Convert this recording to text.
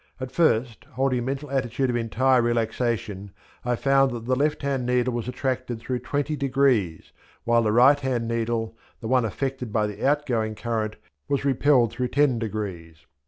At first, holding a mental attitude of entire relaxation, I found that the left hand needle was attracted through twenty degrees, while the right hand needle, the one affected by the out going current, was repelled through ten degrees.